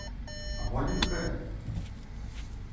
— А мо лийын каен?